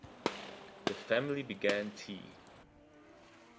The family began tea.